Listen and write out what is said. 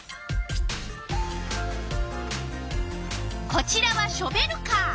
こちらはショベルカー。